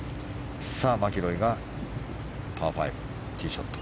さあ、マキロイがパー５ティーショット。